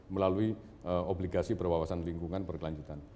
melalui obligasi berwawasan lingkungan berkelanjutan